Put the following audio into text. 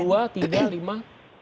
satu dua tiga lima